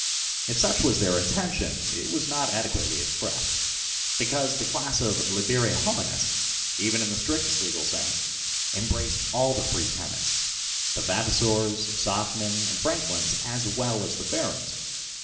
If such was their intention, it was not adequately expressed, be cause the class of " liberi homines," even in the strictest legal sense, embraced all the free tenants, the vavas sors, socmen, and franklins as well as the barons.